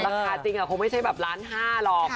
ราคาจริงคงไม่ใช่แบบล้านห้าหรอก